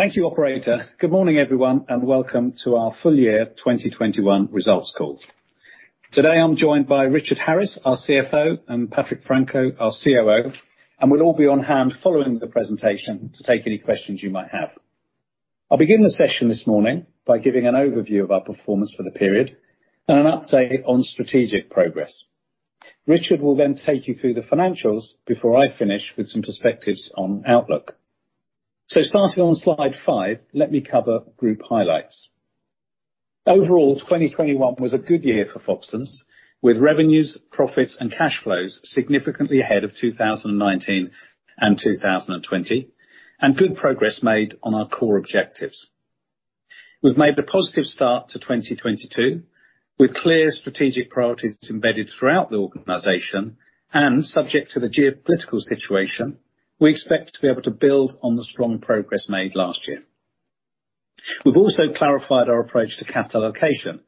Thank you, operator. Good morning, everyone, and welcome to our full year 2021 results call. Today, I'm joined by Richard Harris, our CFO, and Patrick Franco, our COO, and we'll all be on hand following the presentation to take any questions you might have. I'll begin the session this morning by giving an overview of our performance for the period and an update on strategic progress. Richard will then take you through the financials before I finish with some perspectives on outlook. Starting on slide five, let me cover group highlights. Overall, 2021 was a good year for Foxtons, with revenues, profits, and cash flows significantly ahead of 2019 and 2020, and good progress made on our core objectives. We've made a positive start to 2022, with clear strategic priorities embedded throughout the organization, and subject to the geopolitical situation, we expect to be able to build on the strong progress made last year. We've also clarified our approach to capital allocation.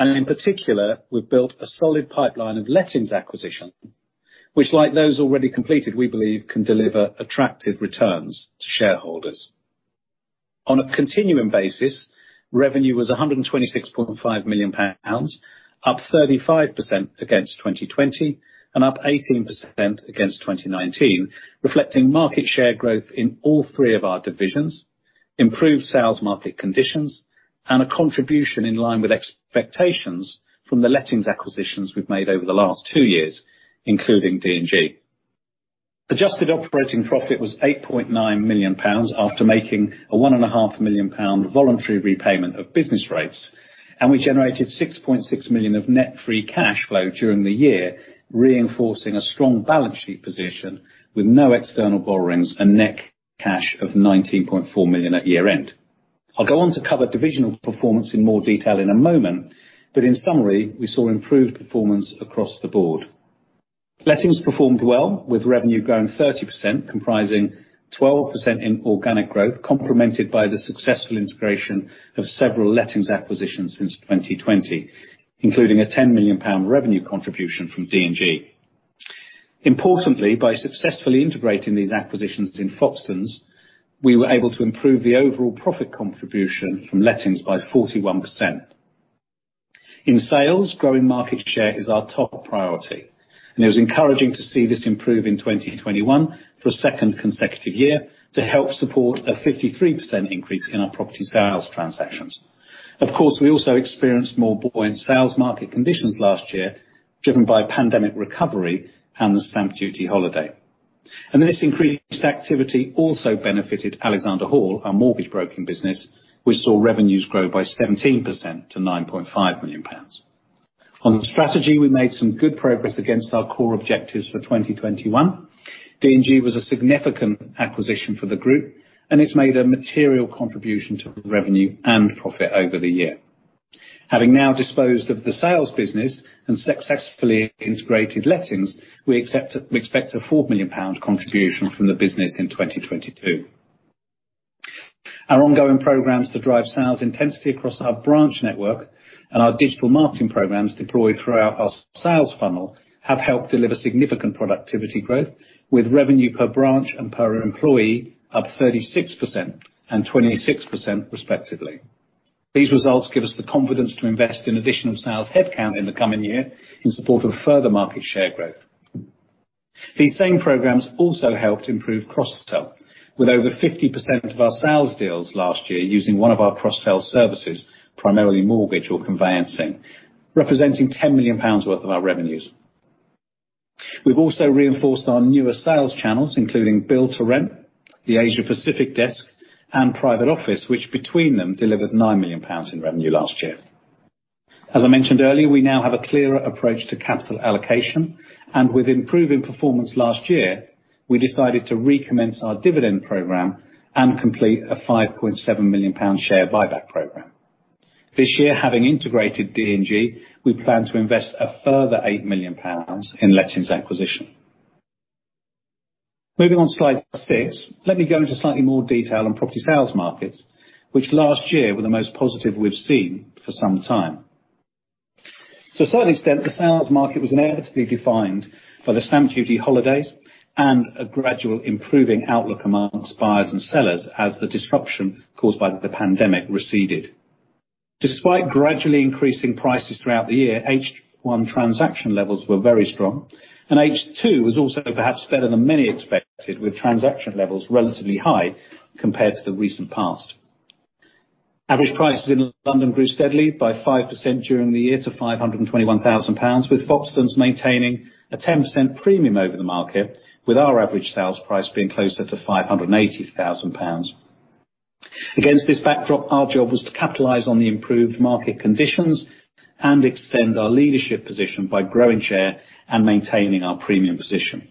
In particular, we've built a solid pipeline of Lettings acquisition, which like those already completed, we believe can deliver attractive returns to shareholders. On a continuing basis, revenue was 126.5 million pounds, up 35% against 2020 and up 18% against 2019, reflecting market share growth in all three of our divisions, improved sales market conditions, and a contribution in line with expectations from the Lettings acquisitions we've made over the last two years, including D&G. Adjusted operating profit was 8.9 million pounds after making a 1.5 million pound voluntary repayment of business rates. We generated 6.6 million of net free cash flow during the year, reinforcing a strong balance sheet position with no external borrowings and net cash of 19.4 million at year-end. I'll go on to cover divisional performance in more detail in a moment, but in summary, we saw improved performance across the board. Lettings performed well, with revenue growing 30%, comprising 12% in organic growth, complemented by the successful integration of several Lettings acquisitions since 2020, including a 10 million pound revenue contribution from D&G. Importantly, by successfully integrating these acquisitions in Foxtons, we were able to improve the overall profit contribution from Lettings by 41%. In sales, growing market share is our top priority, and it was encouraging to see this improve in 2021 for a second consecutive year to help support a 53% increase in our property sales transactions. Of course, we also experienced more buoyant sales market conditions last year, driven by pandemic recovery and the stamp duty holiday. This increased activity also benefited Alexander Hall, our mortgage broking business, which saw revenues grow by 17% to 9.5 million pounds. On strategy, we made some good progress against our core objectives for 2021. D&G was a significant acquisition for the group, and it's made a material contribution to revenue and profit over the year. Having now disposed of the sales business and successfully integrated lettings, we expect a 4 million pound contribution from the business in 2022. Our ongoing programs to drive sales intensity across our branch network and our digital marketing programs deployed throughout our sales funnel have helped deliver significant productivity growth, with revenue per branch and per employee up 36% and 26% respectively. These results give us the confidence to invest in additional sales headcount in the coming year in support of further market share growth. These same programs also helped improve cross-sell, with over 50% of our sales deals last year using one of our cross-sell services, primarily mortgage or conveyancing, representing 10 million pounds worth of our revenues. We've also reinforced our newer sales channels, including Build to Rent, the Asia Pacific desk, and Private Office, which between them delivered 9 million pounds in revenue last year. As I mentioned earlier, we now have a clearer approach to capital allocation, and with improving performance last year, we decided to recommence our dividend program and complete a 5.7 million pound share buyback program. This year, having integrated D&G, we plan to invest a further 8 million pounds in Lettings acquisition. Moving on to slide six, let me go into slightly more detail on property sales markets, which last year were the most positive we've seen for some time. To a certain extent, the sales market was inevitably defined by the stamp duty holidays and a gradual improving outlook among buyers and sellers as the disruption caused by the pandemic receded. Despite gradually increasing prices throughout the year, H1 transaction levels were very strong, and H2 was also perhaps better than many expected, with transaction levels relatively high compared to the recent past. Average prices in London grew steadily by 5% during the year to 521,000 pounds, with Foxtons maintaining a 10% premium over the market, with our average sales price being closer to 580,000 pounds. Against this backdrop, our job was to capitalize on the improved market conditions and extend our leadership position by growing share and maintaining our premium position.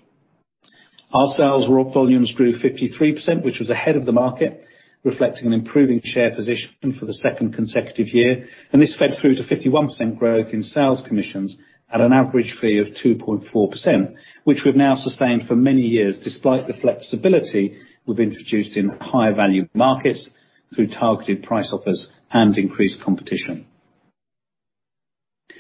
Our sales and lettings volumes grew 53%, which was ahead of the market, reflecting an improving share position for the second consecutive year. This fed through to 51% growth in sales commissions at an average fee of 2.4%, which we've now sustained for many years, despite the flexibility we've introduced in higher value markets through targeted price offers and increased competition.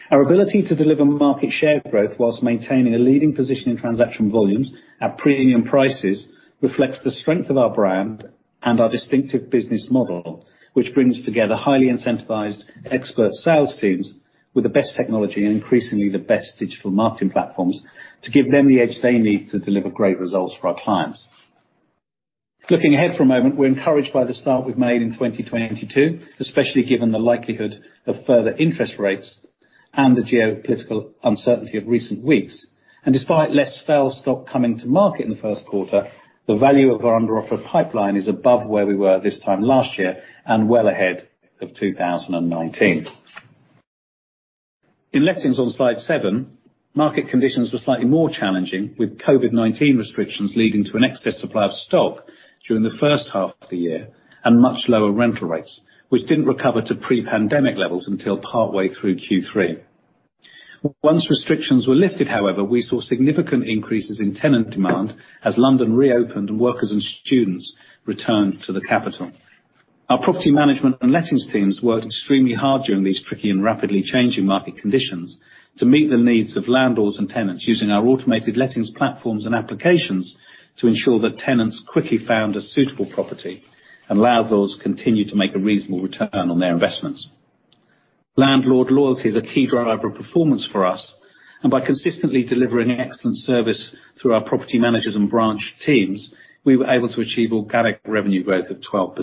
Our ability to deliver market share growth whilst maintaining a leading position in transaction volumes at premium prices reflects the strength of our brand and our distinctive business model, which brings together highly incentivized expert sales teams with the best technology, and increasingly the best digital marketing platforms, to give them the edge they need to deliver great results for our clients. Looking ahead for a moment, we're encouraged by the start we've made in 2022, especially given the likelihood of further interest rates and the geopolitical uncertainty of recent weeks. Despite less sales stock coming to market in the first quarter, the value of our under-offer pipeline is above where we were this time last year and well ahead of 2019. In lettings on slide seven, market conditions were slightly more challenging, with COVID-19 restrictions leading to an excess supply of stock during the first half of the year and much lower rental rates, which didn't recover to pre-pandemic levels until partway through Q3. Once restrictions were lifted, however, we saw significant increases in tenant demand as London reopened and workers and students returned to the capital. Our property management and lettings teams worked extremely hard during these tricky and rapidly changing market conditions to meet the needs of landlords and tenants using our automated lettings platforms and applications to ensure that tenants quickly found a suitable property and landlords continued to make a reasonable return on their investments. Landlord loyalty is a key driver of performance for us, and by consistently delivering excellent service through our property managers and branch teams, we were able to achieve organic revenue growth of 12%.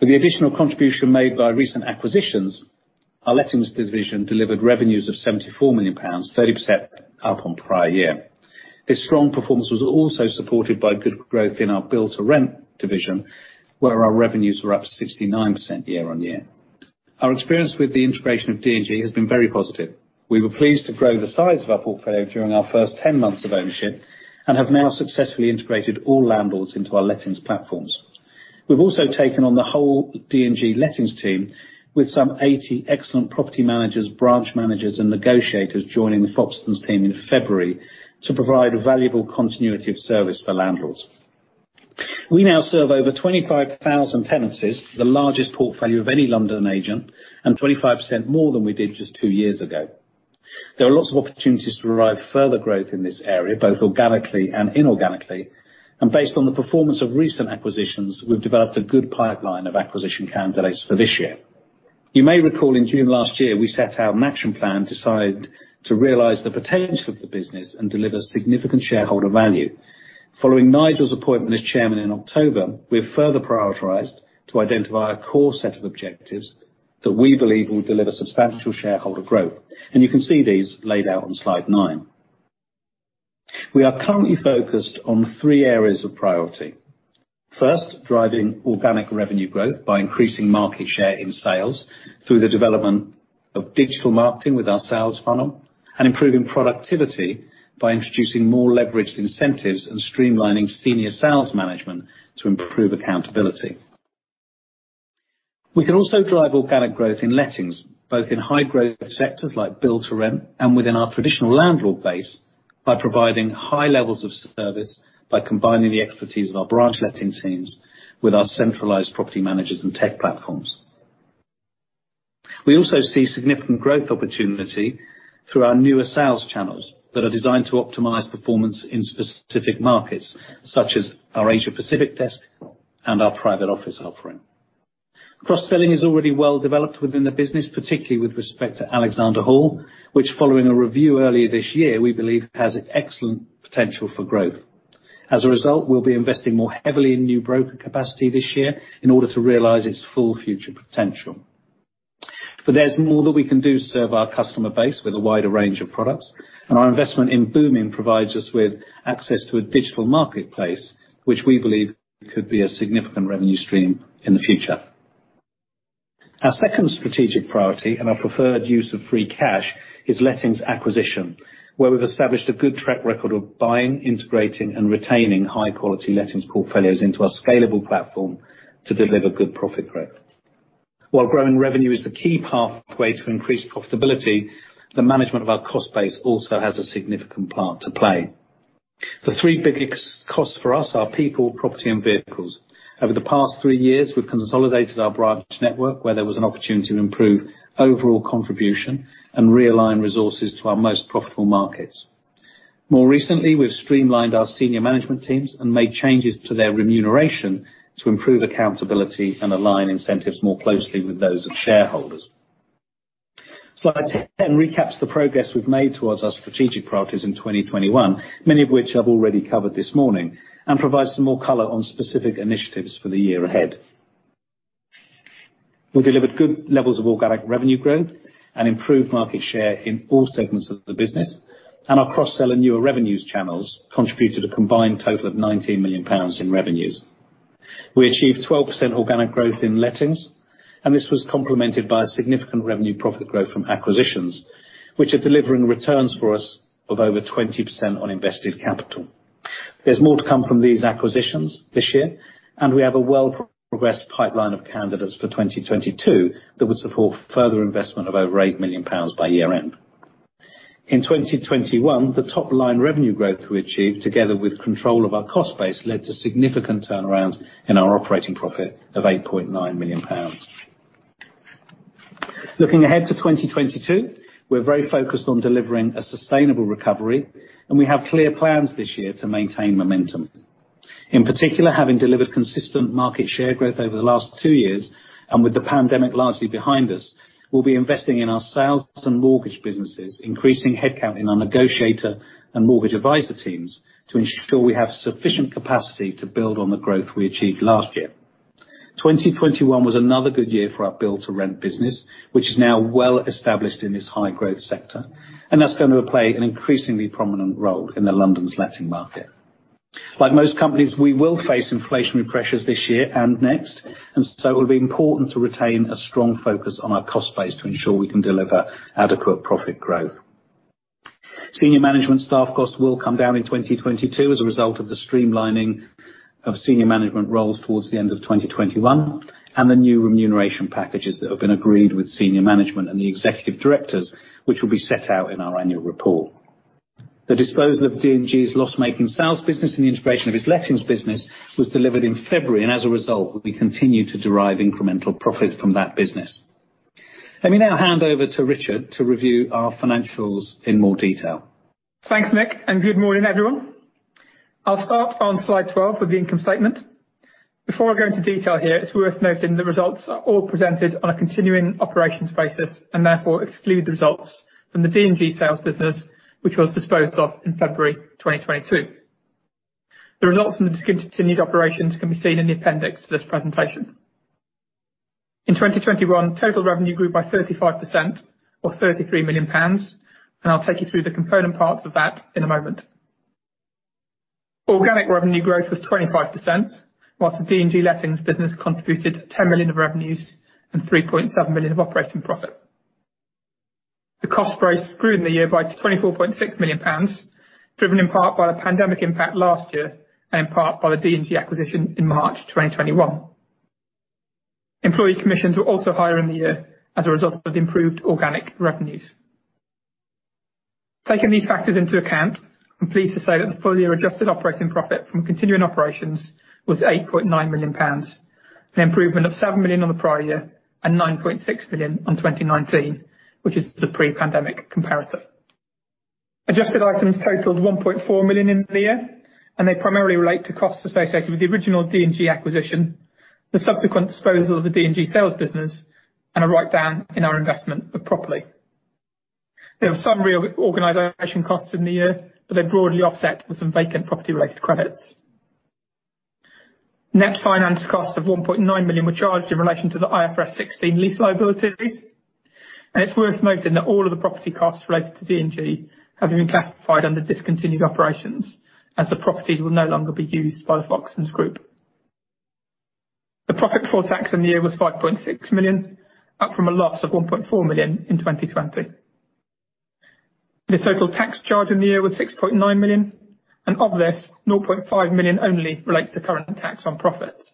With the additional contribution made by recent acquisitions, our lettings division delivered revenues of 74 million pounds, 30% up on prior year. This strong performance was also supported by good growth in our Build-to-Rent division, where our revenues were up 69% year-on-year. Our experience with the integration of D&G has been very positive. We were pleased to grow the size of our portfolio during our first 10 months of ownership and have now successfully integrated all landlords into our lettings platforms. We've also taken on the whole D&G lettings team with some 80 excellent property managers, branch managers, and negotiators joining the Foxtons team in February to provide a valuable continuity of service for landlords. We now serve over 25,000 tenancies, the largest portfolio of any London agent, and 25% more than we did just two years ago. There are lots of opportunities to derive further growth in this area, both organically and inorganically, and based on the performance of recent acquisitions, we've developed a good pipeline of acquisition candidates for this year. You may recall in June last year, we set out an action plan decided to realize the potential of the business and deliver significant shareholder value. Following Nigel's appointment as chairman in October, we have further prioritized to identify a core set of objectives that we believe will deliver substantial shareholder growth. You can see these laid out on slide nine. We are currently focused on three areas of priority. First, driving organic revenue growth by increasing market share in sales through the development of digital marketing with our sales funnel and improving productivity by introducing more leveraged incentives and streamlining senior sales management to improve accountability. We can also drive organic growth in lettings, both in high-growth sectors like build-to-rent and within our traditional landlord base by providing high levels of service by combining the expertise of our branch letting teams with our centralized property managers and tech platforms. We also see significant growth opportunity through our newer sales channels that are designed to optimize performance in specific markets, such as our Asia Pacific desk and our Private Office offering. Cross-selling is already well developed within the business, particularly with respect to Alexander Hall, which following a review earlier this year, we believe has excellent potential for growth. As a result, we'll be investing more heavily in new broker capacity this year in order to realize its full future potential. There's more that we can do to serve our customer base with a wider range of products, and our investment in Boomin provides us with access to a digital marketplace, which we believe could be a significant revenue stream in the future. Our second strategic priority and our preferred use of free cash is lettings acquisition, where we've established a good track record of buying, integrating, and retaining high-quality lettings portfolios into our scalable platform to deliver good profit growth. While growing revenue is the key pathway to increased profitability, the management of our cost base also has a significant part to play. The three biggest costs for us are people, property, and vehicles. Over the past three years, we've consolidated our branch network where there was an opportunity to improve overall contribution and realign resources to our most profitable markets. More recently, we've streamlined our senior management teams and made changes to their remuneration to improve accountability and align incentives more closely with those of shareholders. Slide 10 recaps the progress we've made towards our strategic priorities in 2021, many of which I've already covered this morning and provides some more color on specific initiatives for the year ahead. We delivered good levels of organic revenue growth and improved market share in all segments of the business, and our cross-sell and newer revenues channels contributed a combined total of 90 million pounds in revenues. We achieved 12% organic growth in lettings, and this was complemented by a significant revenue profit growth from acquisitions, which are delivering returns for us of over 20% on invested capital. There's more to come from these acquisitions this year, and we have a well-progressed pipeline of candidates for 2022 that would support further investment of over 8 million pounds by year-end. In 2021, the top line revenue growth we achieved together with control of our cost base led to significant turnarounds in our operating profit of 8.9 million pounds. Looking ahead to 2022, we're very focused on delivering a sustainable recovery, and we have clear plans this year to maintain momentum. In particular, having delivered consistent market share growth over the last two years, and with the pandemic largely behind us, we'll be investing in our sales and mortgage businesses, increasing headcount in our negotiator and mortgage advisor teams to ensure we have sufficient capacity to build on the growth we achieved last year. 2021 was another good year for our Build to Rent business, which is now well established in this high-growth sector, and that's going to play an increasingly prominent role in the London letting market. Like most companies, we will face inflationary pressures this year and next, and so it will be important to retain a strong focus on our cost base to ensure we can deliver adequate profit growth. Senior management staff costs will come down in 2022 as a result of the streamlining of senior management roles towards the end of 2021 and the new remuneration packages that have been agreed with senior management and the Executive Directors, which will be set out in our annual report. The disposal of D&G's loss-making sales business and the integration of its lettings business was delivered in February, and as a result, we continue to derive incremental profit from that business. Let me now hand over to Richard to review our financials in more detail. Thanks, Nick, and good morning, everyone. I'll start on slide 12 with the income statement. Before I go into detail here, it's worth noting the results are all presented on a continuing operations basis and therefore exclude the results from the D&G sales business, which was disposed of in February 2022. The results from the discontinued operations can be seen in the appendix to this presentation. In 2021, total revenue grew by 35% or 33 million pounds, and I'll take you through the component parts of that in a moment. Organic revenue growth was 25%, while the D&G lettings business contributed 10 million of revenues and 3.7 million of operating profit. The cost base grew in the year by 24.6 million pounds, driven in part by the pandemic impact last year and in part by the D&G acquisition in March 2021. Employee commissions were also higher in the year as a result of the improved organic revenues. Taking these factors into account, I'm pleased to say that the full year adjusted operating profit from continuing operations was 8.9 million pounds, an improvement of 7 million on the prior year and 9.6 million on 2019, which is the pre-pandemic comparative. Adjusted items totaled 1.4 million in the year, and they primarily relate to costs associated with the original D&G acquisition, the subsequent disposal of the D&G sales business, and a write-down in our investment of property. There were some reorganization costs in the year, but they broadly offset with some vacant property related credits. Net finance costs of 1.9 million were charged in relation to the IFRS 16 lease liabilities, and it's worth noting that all of the property costs related to D&G have been classified under discontinued operations, as the properties will no longer be used by the Foxtons Group. The profit before tax in the year was 5.6 million, up from a loss of 1.4 million in 2020. The total tax charge in the year was 6.9 million, and of this, 0.5 million only relates to current tax on profits.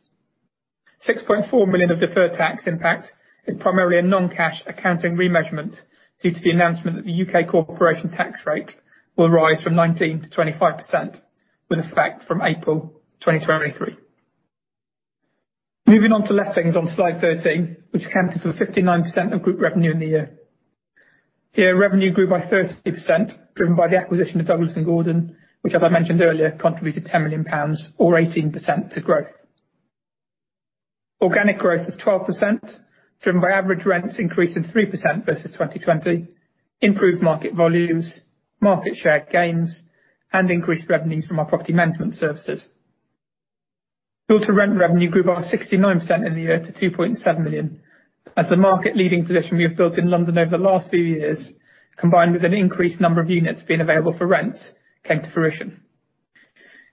6.4 million of deferred tax impact is primarily a non-cash accounting remeasurement due to the announcement that the UK corporation tax rate will rise from 19%-25%, with effect from April 2023. Moving on to lettings on slide 13, which accounted for 59% of group revenue in the year. Here, revenue grew by 30%, driven by the acquisition of Douglas & Gordon, which as I mentioned earlier, contributed 10 million pounds or 18% to growth. Organic growth was 12%, driven by average rents increasing 3% versus 2020, improved market volumes, market share gains, and increased revenues from our property management services. Build to Rent revenue grew by 69% in the year to 2.7 million as the market-leading position we have built in London over the last few years, combined with an increased number of units being available for rents, came to fruition.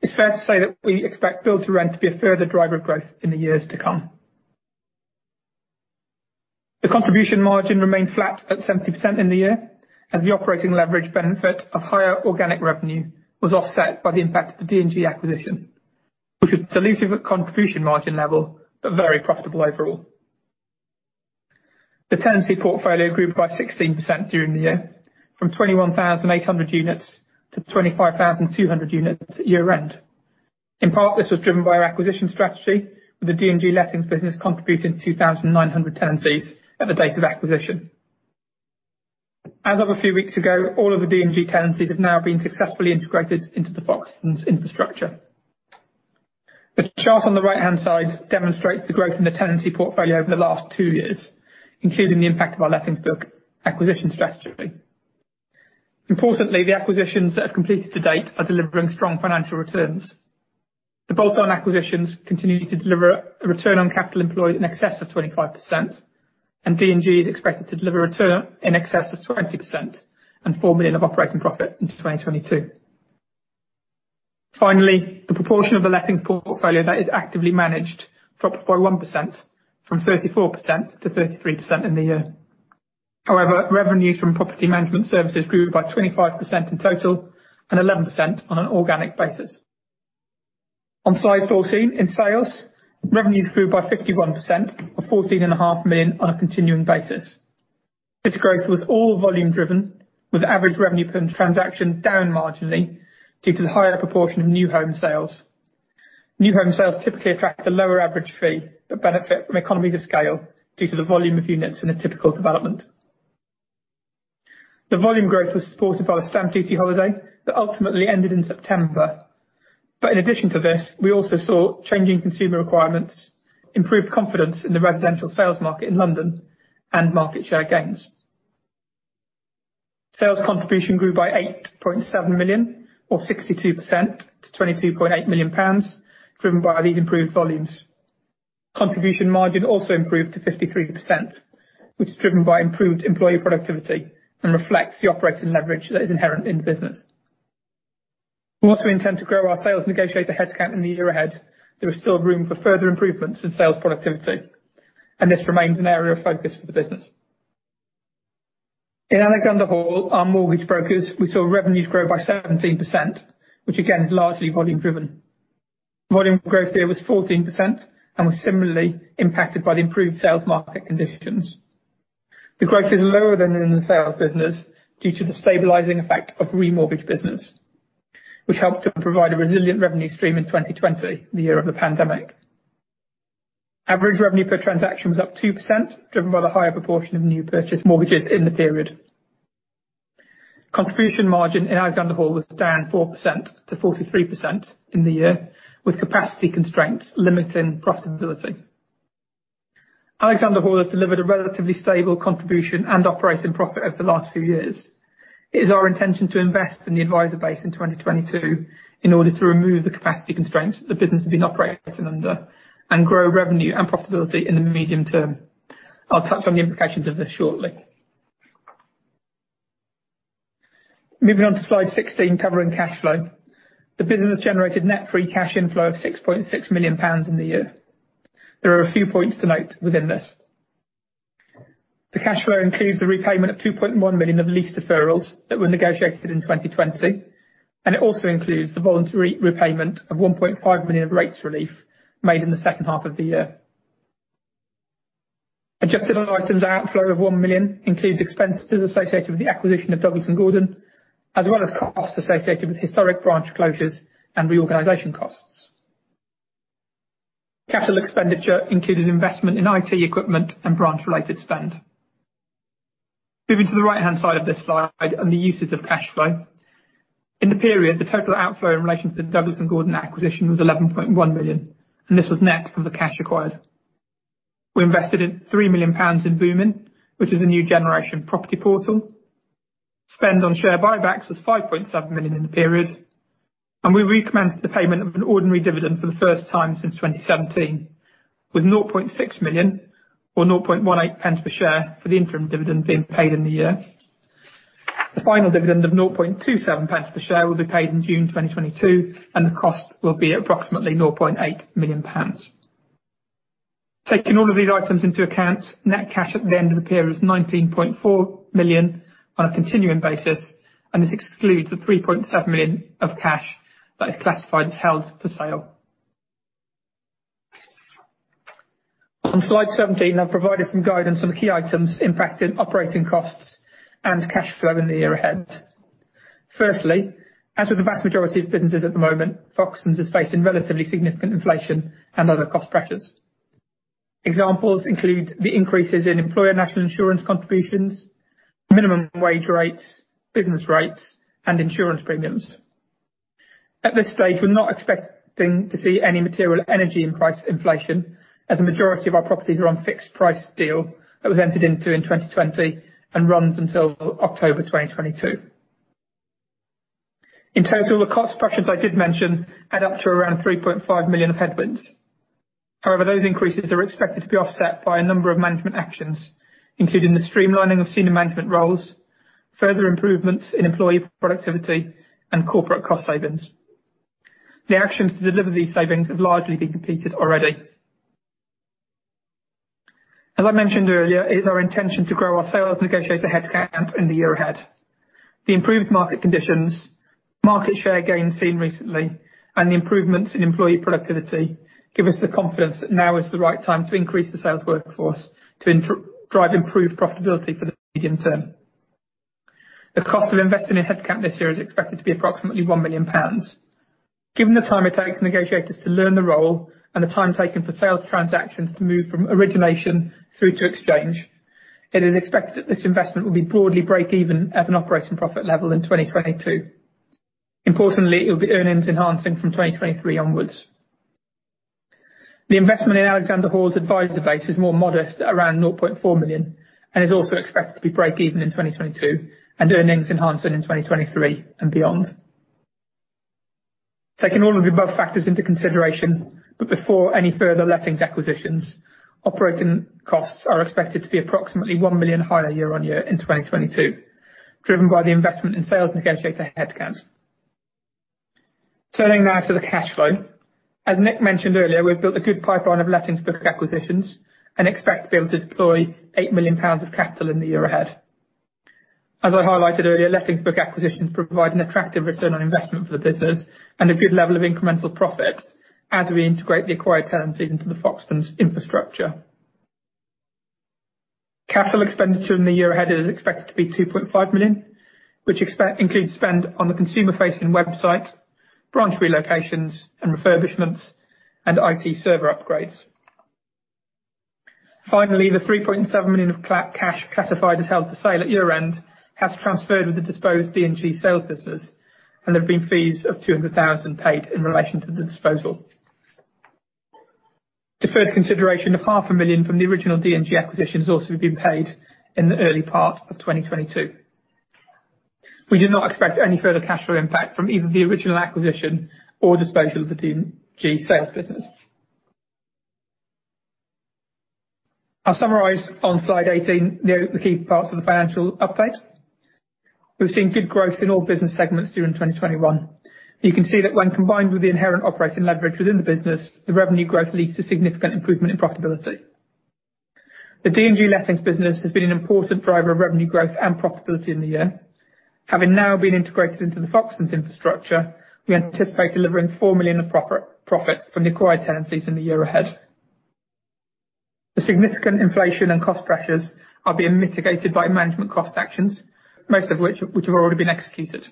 It's fair to say that we expect Build to Rent to be a further driver of growth in the years to come. The contribution margin remained flat at 70% in the year as the operating leverage benefit of higher organic revenue was offset by the impact of the D&G acquisition, which was dilutive at contribution margin level but very profitable overall. The tenancy portfolio grew by 16% during the year from 21,800 units to 25,200 units at year-end. In part, this was driven by our acquisition strategy, with the D&G lettings business contributing 2,900 tenancies at the date of acquisition. As of a few weeks ago, all of the D&G tenancies have now been successfully integrated into the Foxtons infrastructure. The chart on the right-hand side demonstrates the growth in the tenancy portfolio over the last two years, including the impact of our lettings book acquisition strategy. Importantly, the acquisitions that have completed to date are delivering strong financial returns. The bolt-on acquisitions continue to deliver a return on capital employed in excess of 25%, and D&G is expected to deliver a return in excess of 20% and 4 million of operating profit into 2022. Finally, the proportion of the lettings portfolio that is actively managed dropped by 1% from 34% to 33% in the year. However, revenues from property management services grew by 25% in total and 11% on an organic basis. On slide 14, in sales, revenues grew by 51% to 14.5 million on a continuing basis. This growth was all volume driven, with average revenue per transaction down marginally due to the higher proportion of new home sales. New home sales typically attract a lower average fee, but benefit from economies of scale due to the volume of units in a typical development. The volume growth was supported by a stamp duty holiday that ultimately ended in September. In addition to this, we also saw changing consumer requirements, improved confidence in the residential sales market in London and market share gains. Sales contribution grew by 8.7 million, or 62% to 22.8 million pounds, driven by these improved volumes. Contribution margin also improved to 53%, which is driven by improved employee productivity and reflects the operating leverage that is inherent in the business. We also intend to grow our sales negotiator headcount in the year ahead. There is still room for further improvements in sales productivity, and this remains an area of focus for the business. In Alexander Hall, our mortgage brokers, we saw revenues grow by 17%, which again, is largely volume driven. Volume growth there was 14% and was similarly impacted by the improved sales market conditions. The growth is lower than in the sales business due to the stabilizing effect of remortgage business, which helped to provide a resilient revenue stream in 2020, the year of the pandemic. Average revenue per transaction was up 2%, driven by the higher proportion of new purchase mortgages in the period. Contribution margin in Alexander Hall was down 4% to 43% in the year, with capacity constraints limiting profitability. Alexander Hall has delivered a relatively stable contribution and operating profit over the last few years. It is our intention to invest in the advisor base in 2022 in order to remove the capacity constraints that the business has been operating under and grow revenue and profitability in the medium term. I'll touch on the implications of this shortly. Moving on to slide 16, covering cash flow. The business generated net free cash inflow of 6.6 million pounds in the year. There are a few points to note within this. The cash flow includes the repayment of 2.1 million of lease deferrals that were negotiated in 2020, and it also includes the voluntary repayment of 1.5 million of rates relief made in the second half of the year. Adjusted for items, outflow of 1 million includes expenses associated with the acquisition of Douglas & Gordon, as well as costs associated with historic branch closures and reorganization costs. Capital expenditure included investment in IT equipment and branch-related spend. Moving to the right-hand side of this slide and the uses of cash flow. In the period, the total outflow in relation to the Douglas & Gordon acquisition was 11.1 million, and this was net of the cash acquired. We invested 3 million pounds in Boomin, which is a new generation property portal. Spend on share buybacks was 5.7 million in the period, and we recommenced the payment of an ordinary dividend for the first time since 2017, with 0.6 million or 0.18 pence per share for the interim dividend being paid in the year. The final dividend of 0.27 pence per share will be paid in June 2022, and the cost will be approximately GBP 0.8 million. Taking all of these items into account, net cash at the end of the period is GBP 19.4 million on a continuing basis, and this excludes the GBP 3.7 million of cash that is classified as held for sale. On slide 17, I've provided some guidance on the key items impacting operating costs and cash flow in the year ahead. Firstly, as with the vast majority of businesses at the moment, Foxtons is facing relatively significant inflation and other cost pressures. Examples include the increases in employer national insurance contributions, minimum wage rates, business rates, and insurance premiums. At this stage, we're not expecting to see any material energy price inflation as a majority of our properties are on fixed price deal that was entered into in 2020 and runs until October 2022. In total, the cost pressures I did mention add up to around 3.5 million of headwinds. However, those increases are expected to be offset by a number of management actions, including the streamlining of senior management roles, further improvements in employee productivity, and corporate cost savings. The actions to deliver these savings have largely been completed already. As I mentioned earlier, it is our intention to grow our sales negotiator headcount in the year ahead. The improved market conditions, market share gains seen recently, and the improvements in employee productivity give us the confidence that now is the right time to increase the sales workforce to, in turn, drive improved profitability for the medium term. The cost of investing in headcount this year is expected to be approximately 1 million pounds. Given the time it takes negotiators to learn the role and the time taken for sales transactions to move from origination through to exchange, it is expected that this investment will be broadly break even at an operating profit level in 2022. Importantly, it will be earnings enhancing from 2023 onwards. The investment in Alexander Hall's advisor base is more modest at around 0.4 million and is also expected to be break even in 2022 and earnings enhancing in 2023 and beyond. Taking all of the above factors into consideration, but before any further lettings acquisitions, operating costs are expected to be approximately 1 million higher year-on-year in 2022, driven by the investment in sales negotiator headcounts. Turning now to the cash flow. As Nick mentioned earlier, we've built a good pipeline of lettings book acquisitions and expect to be able to deploy 8 million pounds of capital in the year ahead. As I highlighted earlier, lettings book acquisitions provide an attractive return on investment for the business and a good level of incremental profits as we integrate the acquired tenancies into the Foxtons infrastructure. Capital expenditure in the year ahead is expected to be 2.5 million, which includes spend on the consumer facing website, branch relocations and refurbishments and IT server upgrades. Finally, the 3.7 million of cash classified as held for sale at year-end has transferred with the disposed D&G sales business, and there have been fees of 200,000 paid in relation to the disposal. Deferred consideration of GBP half a million from the original D&G acquisition has also been paid in the early part of 2022. We do not expect any further cash flow impact from either the original acquisition or disposal of the D&G sales business. I'll summarize on slide 18 the key parts of the financial update. We've seen good growth in all business segments during 2021. You can see that when combined with the inherent operating leverage within the business, the revenue growth leads to significant improvement in profitability. The D&G lettings business has been an important driver of revenue growth and profitability in the year. Having now been integrated into the Foxtons infrastructure, we anticipate delivering 4 million of profits from the acquired tenancies in the year ahead. The significant inflation and cost pressures are being mitigated by management cost actions, most of which have already been executed.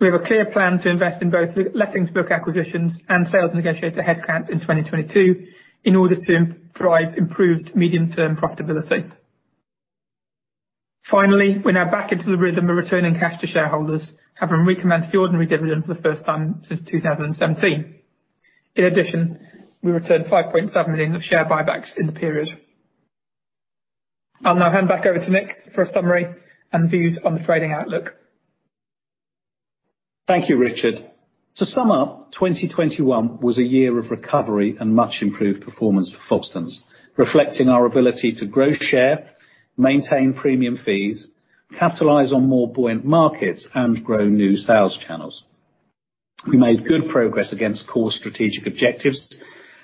We have a clear plan to invest in both lettings book acquisitions and sales negotiator headcount in 2022 in order to drive improved medium term profitability. Finally, we're now back into the rhythm of returning cash to shareholders, having recommenced the ordinary dividend for the first time since 2017. In addition, we returned 5.7 million of share buybacks in the period. I'll now hand back over to Nick for a summary and views on the trading outlook. Thank you, Richard. To sum up, 2021 was a year of recovery and much improved performance for Foxtons, reflecting our ability to grow share, maintain premium fees, capitalize on more buoyant markets, and grow new sales channels. We made good progress against core strategic objectives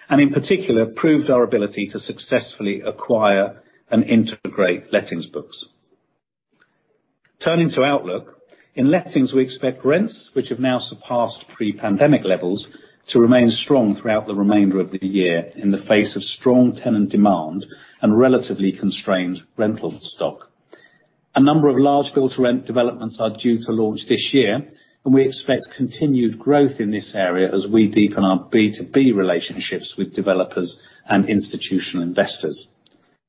and in particular proved our ability to successfully acquire and integrate lettings books. Turning to outlook, in lettings, we expect rents which have now surpassed pre-pandemic levels to remain strong throughout the remainder of the year in the face of strong tenant demand and relatively constrained rental stock. A number of large build-to-rent developments are due to launch this year, and we expect continued growth in this area as we deepen our B2B relationships with developers and institutional investors.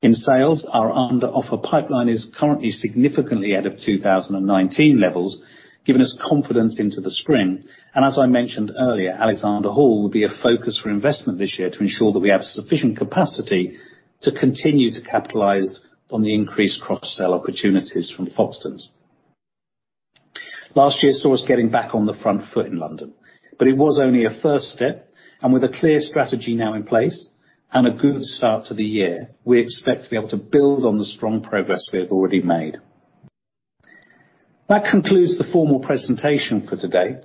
In sales, our under-offer pipeline is currently significantly ahead of 2019 levels, giving us confidence into the spring. As I mentioned earlier, Alexander Hall will be a focus for investment this year to ensure that we have sufficient capacity to continue to capitalize on the increased cross-sell opportunities from Foxtons. Last year saw us getting back on the front foot in London, but it was only a first step, and with a clear strategy now in place and a good start to the year, we expect to be able to build on the strong progress we have already made. That concludes the formal presentation for today.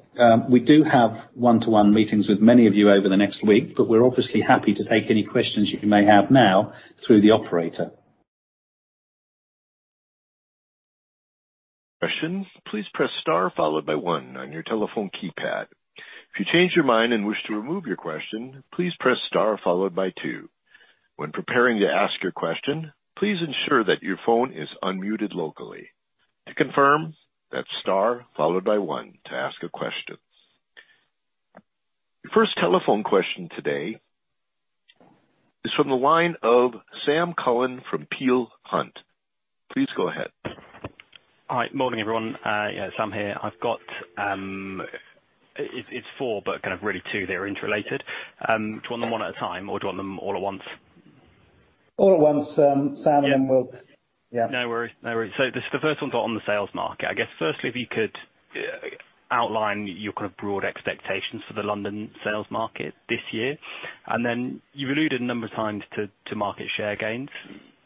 We do have one-to-one meetings with many of you over the next week, but we're obviously happy to take any questions you may have now through the operator. Your first telephone question today is from the line of Sam Cullen from Peel Hunt. Please go ahead. Hi. Morning, everyone. Yeah, Sam here. I've got four, but kind of really two. They are interrelated. Do you want them one at a time, or do you want them all at once? All at once, Sam, and we'll. Yeah. Yeah. No worries. The first one's on the sales market. I guess firstly, if you could outline your kind of broad expectations for the London sales market this year. Then you've alluded a number of times to market share gains.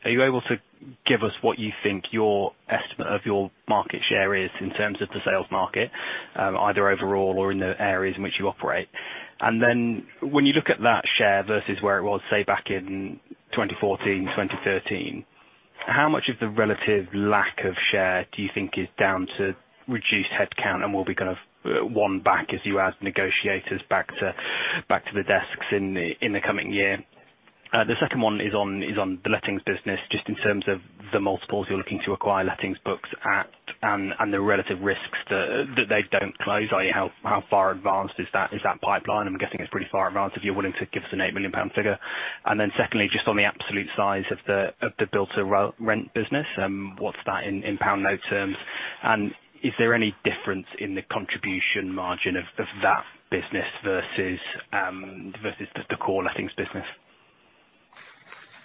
Are you able to give us what you think your estimate of your market share is in terms of the sales market, either overall or in the areas in which you operate? Then when you look at that share versus where it was, say back in 2014, 2013, how much of the relative lack of share do you think is down to reduced headcount and will be kind of won back as you add negotiators back to the desks in the coming year? The second one is on the lettings business, just in terms of the multiples you're looking to acquire lettings books at and the relative risks that they don't close. I.e., how far advanced is that pipeline? I'm guessing it's pretty far advanced if you're willing to give us a 8 million pound figure. Secondly, just on the absolute size of the Build to Rent business, what's that in pound note terms? And is there any difference in the contribution margin of that business versus the core lettings business?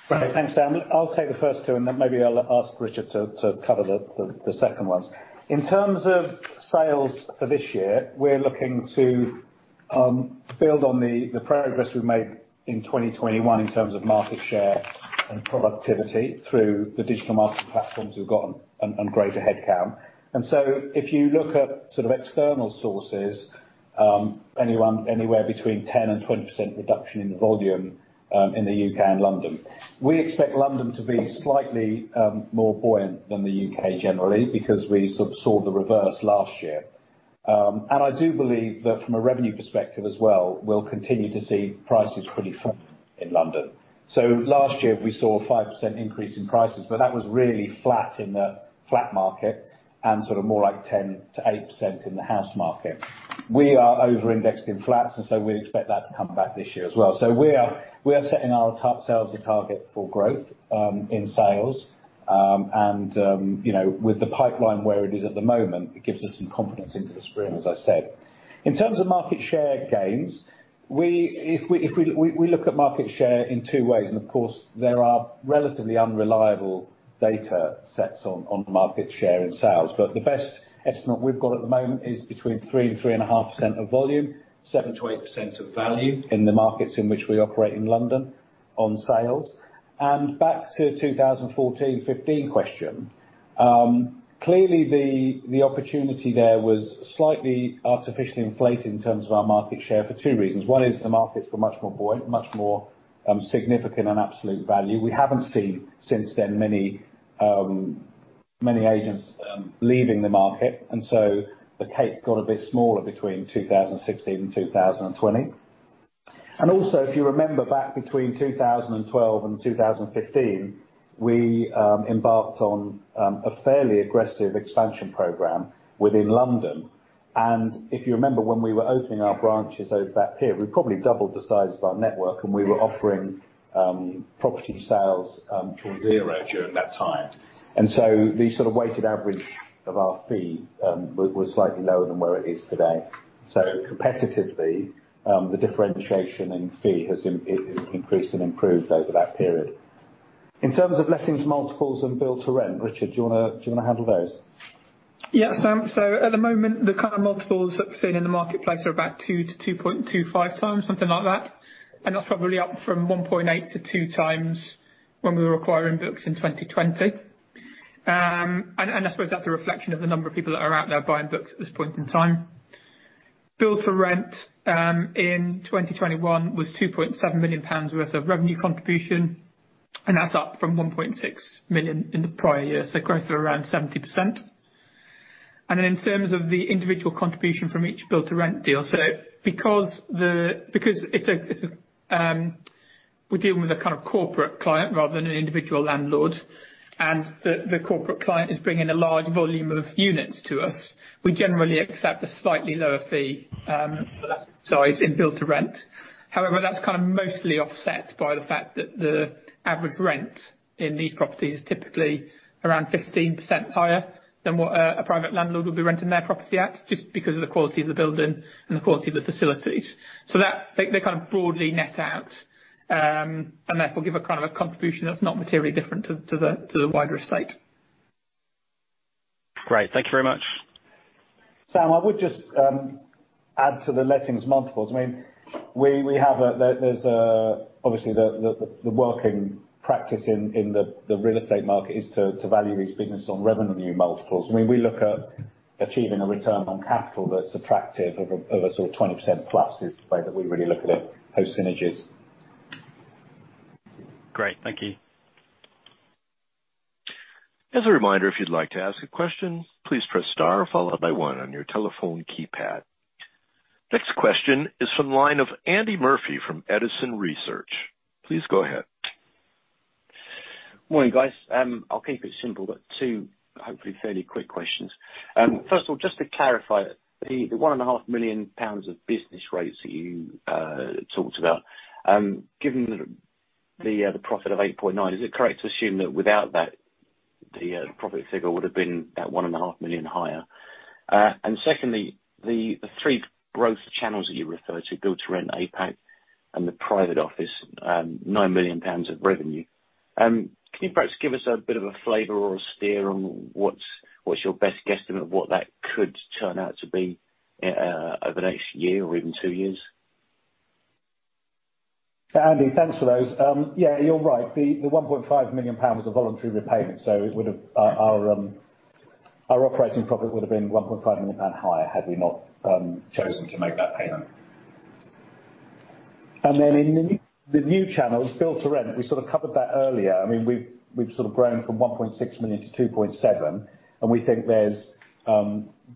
Right. Thanks, Sam. I'll take the first two, and then maybe I'll ask Richard to cover the second ones. In terms of sales for this year, we're looking to build on the progress we've made in 2021 in terms of market share and productivity through the digital marketing platforms we've got and greater headcount. If you look at sort of external sources, anywhere between 10%-20% reduction in volume in the U.K. and London. We expect London to be slightly more buoyant than the U.K. generally because we sort of saw the reverse last year. I do believe that from a revenue perspective as well, we'll continue to see prices pretty firm in London. Last year we saw a 5% increase in prices, but that was really flat in the flat market and sort of more like 8%-10% in the house market. We are over-indexed in flats, and we expect that to come back this year as well. We are setting our top-line sales target for growth in sales. You know, with the pipeline where it is at the moment, it gives us some confidence into the spring, as I said. In terms of market share gains, we look at market share in two ways, and of course, there are relatively unreliable data sets on market share and sales. The best estimate we've got at the moment is between 3% and 3.5% of volume, 7% to 8% of value in the markets in which we operate in London on sales. Back to 2014, 2015 question. Clearly the opportunity there was slightly artificially inflated in terms of our market share for two reasons. One is the markets were much more buoyant, much more significant in absolute value. We haven't seen since then many agents leaving the market. The cake got a bit smaller between 2016 and 2020. Also, if you remember back between 2012 and 2015, we embarked on a fairly aggressive expansion program within London. If you remember when we were opening our branches over that period, we probably doubled the size of our network, and we were offering property sales for zero during that time. The sort of weighted average of our fee was slightly lower than where it is today. Competitively, the differentiation in fee has increased and improved over that period. In terms of lettings multiples and Build to Rent, Richard, do you wanna handle those? Yes, Sam. At the moment, the kind of multiples that we're seeing in the marketplace are about two to 2.25x, something like that, and that's probably up from 1.8-2x when we were acquiring books in 2020. I suppose that's a reflection of the number of people that are out there buying books at this point in time. Build to Rent in 2021 was 2.7 million pounds worth of revenue contribution, and that's up from 1.6 million in the prior year. Growth of around 70%. In terms of the individual contribution from each Build to Rent deal, because we're dealing with a kind of corporate client rather than an individual landlord, and the corporate client is bringing a large volume of units to us, we generally accept a slightly lower fee for that size in Build to Rent. However, that's kind of mostly offset by the fact that the average rent in these properties is typically around 15% higher than what a private landlord would be renting their property at, just because of the quality of the building and the quality of the facilities. That they kind of broadly net out, and therefore give a kind of a contribution that's not materially different to the wider estate. Great. Thank you very much. Sam, I would just add to the lettings multiples. I mean, we have obviously the working practice in the real estate market is to value these businesses on revenue multiples. I mean, we look at achieving a return on capital that's attractive of a sort of 20% plus is the way that we really look at it, post synergies. Great. Thank you. As a reminder, if you'd like to ask a question, please press star followed by one on your telephone keypad. Next question is from the line of Andy Murphy from Edison Group. Please go ahead. Morning, guys. I'll keep it simple, but two hopefully fairly quick questions. First of all, just to clarify, the one and a half million pounds of business rates that you talked about, given the profit of 8.9 million, is it correct to assume that without that, the profit figure would have been about one and a half million higher? Secondly, the three growth channels that you referred to, Build to Rent, APAC, and the Private Office, 9 million pounds of revenue. Can you perhaps give us a bit of a flavor or a steer on what's your best guesstimate of what that could turn out to be, over the next year or even two years? Andy, thanks for those. Yeah, you're right. The 1.5 million pounds was a voluntary repayment, so our operating profit would have been 1.5 million higher had we not chosen to make that payment. In the new channels, Build to Rent, we sort of covered that earlier. I mean, we've sort of grown from 1.6 million to 2.7 million, and we think there's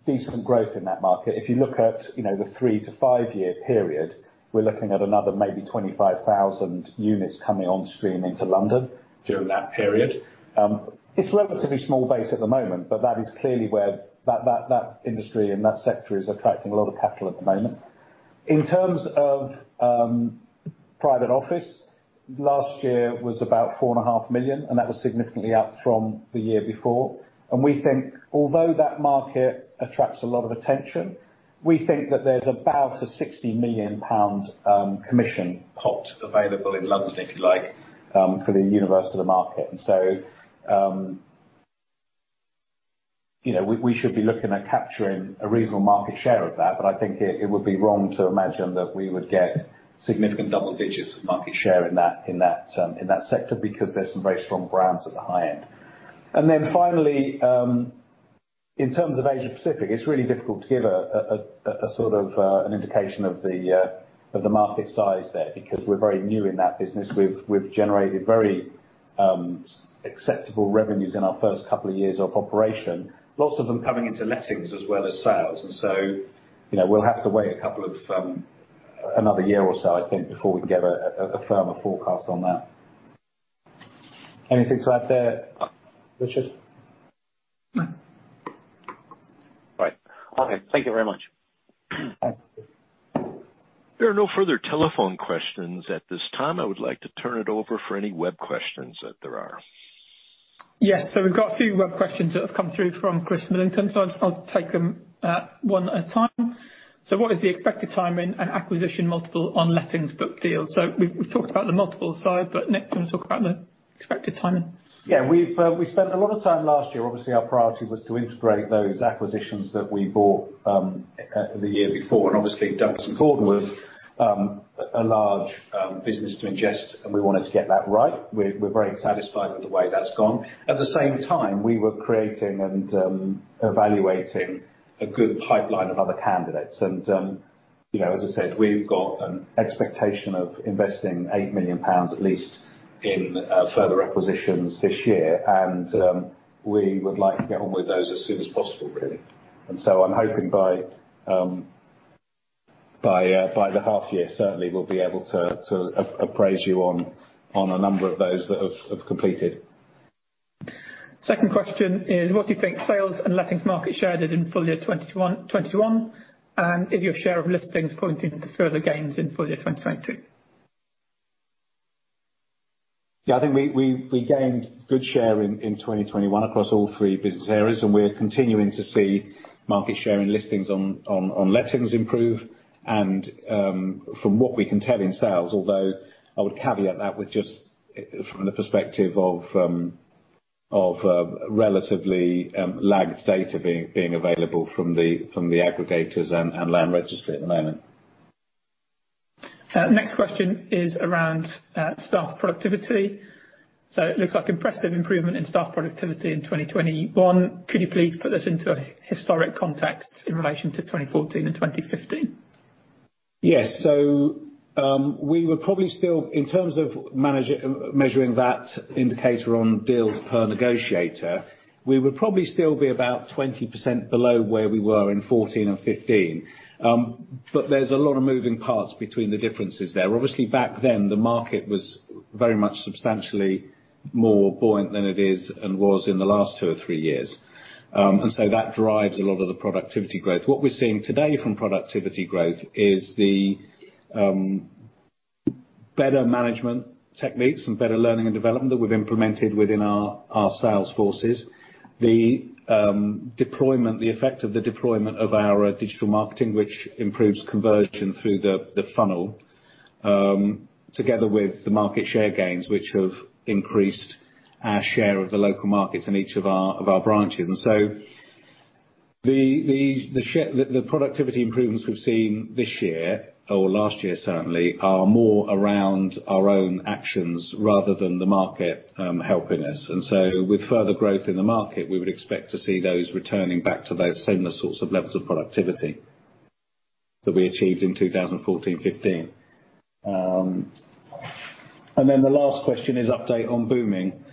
decent growth in that market. If you look at you know the three to five year period, we're looking at another maybe 25,000 units coming on stream into London during that period. It's a relatively small base at the moment, but that is clearly where that industry and that sector is attracting a lot of capital at the moment. In terms of Private Office, last year was about four and a half million, and that was significantly up from the year before. We think although that market attracts a lot of attention, we think that there's about 60 million pound commission pot available in London, if you like, for the universe of the market. You know, we should be looking at capturing a reasonable market share of that, but I think it would be wrong to imagine that we would get significant double digits of market share in that sector because there's some very strong brands at the high end. Finally, in terms of Asia Pacific, it's really difficult to give a sort of an indication of the market size there because we're very new in that business. We've generated very acceptable revenues in our first couple of years of operation, lots of them coming into lettings as well as sales. You know, we'll have to wait a couple of another year or so, I think, before we can get a firmer forecast on that. Anything to add there, Richard? No. Right. Okay. Thank you very much. There are no further telephone questions at this time. I would like to turn it over for any web questions that there are. Yes. We've got a few web questions that have come through from Chris Millington, so I'll take them one at a time. What is the expected timing and acquisition multiple on lettings book deals? We've talked about the multiple side, but Nick, do you want to talk about the expected timing? Yeah. We spent a lot of time last year. Obviously, our priority was to integrate those acquisitions that we bought the year before. Obviously Douglas & Gordon was a large business to ingest, and we wanted to get that right. We're very satisfied with the way that's gone. At the same time, we were creating and evaluating a good pipeline of other candidates. You know, as I said, we've got an expectation of investing 8 million pounds at least in further acquisitions this year. We would like to get on with those as soon as possible, really. I'm hoping by the half year, certainly we'll be able to appraise you on a number of those that have completed. Second question is, what do you think sales and lettings market share did in full year 2021? Is your share of listings pointing to further gains in full year 2022? Yeah, I think we gained good share in 2021 across all three business areas, and we're continuing to see market share and listings on lettings improve. From what we can tell in sales, although I would caveat that with just from the perspective of relatively lagged data being available from the aggregators and Land Registry at the moment. Next question is around staff productivity. It looks like impressive improvement in staff productivity in 2021. Could you please put this into a historic context in relation to 2014 and 2015? Yes. We were probably still, in terms of measuring that indicator on deals per negotiator, we would probably still be about 20% below where we were in 2014 and 2015. There's a lot of moving parts between the differences there. Obviously back then, the market was very much substantially more buoyant than it is and was in the last two or three years. That drives a lot of the productivity growth. What we're seeing today from productivity growth is the better management techniques and better learning and development that we've implemented within our sales forces. The deployment, the effect of the deployment of our digital marketing, which improves conversion through the funnel, together with the market share gains, which have increased our share of the local markets in each of our branches. The productivity improvements we've seen this year or last year certainly are more around our own actions rather than the market helping us. With further growth in the market, we would expect to see those returning back to those similar sorts of levels of productivity that we achieved in 2014, 2015. The last question is update on Boomin.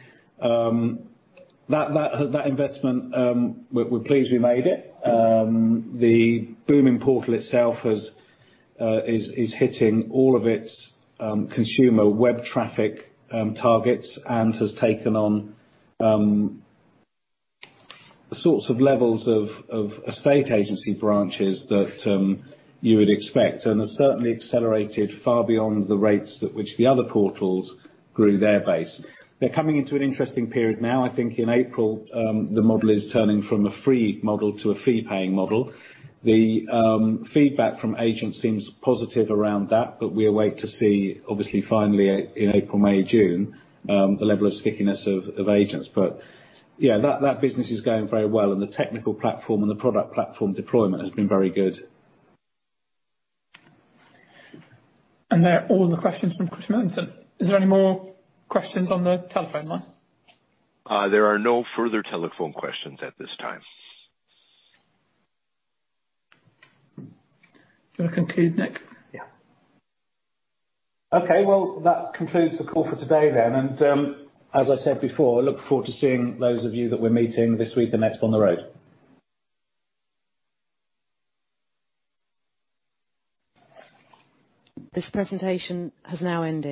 That investment, we're pleased we made it. The Boomin portal itself is hitting all of its consumer web traffic targets, and has taken on sorts of levels of estate agency branches that you would expect, and has certainly accelerated far beyond the rates at which the other portals grew their base. They're coming into an interesting period now. I think in April, the model is turning from a free model to a fee-paying model. The feedback from agents seems positive around that, but we wait to see obviously finally in April, May, June, the level of stickiness of agents. Yeah, that business is going very well, and the technical platform and the product platform deployment has been very good. They are all the questions from Chris Millington. Is there any more questions on the telephone line? There are no further telephone questions at this time. Do you wanna conclude, Nick? Yeah. Okay. Well, that concludes the call for today then. I look forward to seeing those of you that we're meeting this week and next on the road. This presentation has now ended.